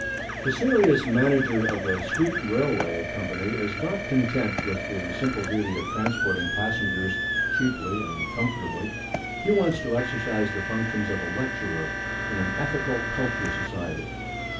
The serious manager of a street railway company is not content with the simple duty of transporting passengers cheaply and comfortably. He wants to exercise the functions of a lecturer in an ethical culture society.